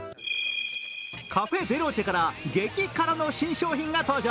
カフェ・ベローチェから激辛の新商品が登場。